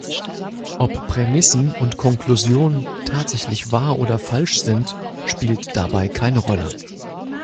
Ob Prämissen und Konklusion tatsächlich wahr oder falsch sind, spielt dabei keine Rolle.